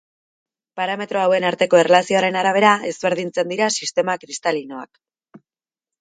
Parametro hauen arteko erlazioaren arabera ezberdintzen dira sistema kristalinoak.